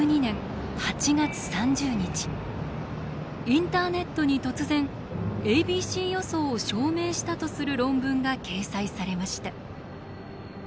インターネットに突然ａｂｃ予想を証明したとする論文が掲載されました。